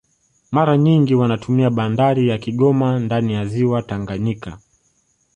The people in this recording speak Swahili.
Mara nyingi wanatumia bandari ya Kigoma ndani ya ziwa Tanganyika